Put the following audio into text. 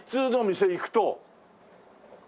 店に行くと。